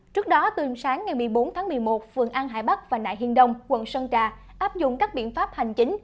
trước đó từ sáng ngày một mươi bốn tháng một mươi một phường an hải bắc và nại hiên đông quận sơn trà áp dụng các biện pháp hành chính